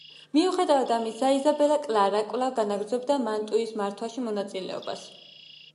მიუხედავად ამისა, იზაბელა კლარა კვლავ განაგრძობდა მანტუის მართვაში მონაწილეობას.